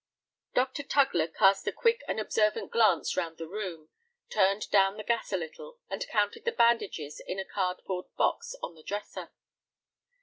Dr. Tugler cast a quick and observant glance round the room, turned down the gas a little, and counted the bandages in a card board box on the dresser.